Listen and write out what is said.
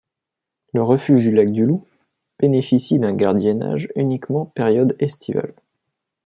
Le refuge du Lac du Lou bénéficie d'un gardiennage uniquement période estivale.